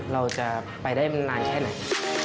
เราจะไปได้นานแค่ไหน